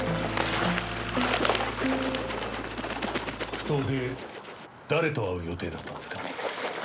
埠頭で誰と会う予定だったんですか？